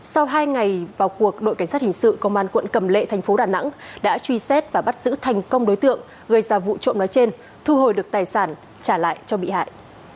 sau hai ngày vào cuộc đội cảnh sát hình sự công an quận cầm lệ thành phố đà nẵng đã truy xét và bắt giữ thành công đối tượng gây ra vụ trộm nói trên thu hồi được tài sản trả lại cho bị hại